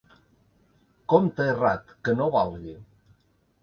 Compte errat, que no valgui.